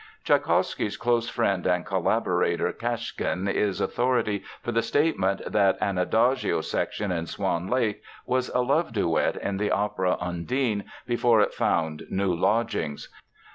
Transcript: Tschaikowsky's close friend and collaborator Kashkin is authority for the statement that an adagio section in Swan Lake was a love duet in the opera Undine before it found new lodgings.